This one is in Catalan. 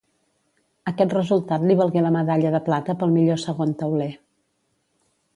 Aquest resultat li valgué la medalla de plata pel millor segon tauler.